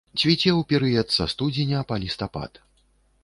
Цвіце ў перыяд са студзеня па лістапад.